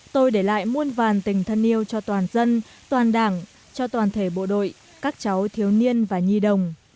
tôi để lại muôn vàn tình thân yêu cho toàn dân toàn đảng cho toàn thể bộ đội các cháu thiếu niên và nhi đồng